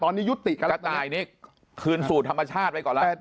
ตอนนี้ยุติกระต่ายนี้กระต่ายนี้คืนสูตรธรรมชาติไปก่อนแล้ว